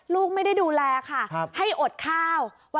ลูกไม่ได้ดูแลค่ะให้อดข้าว